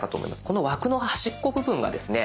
この枠の端っこ部分がですね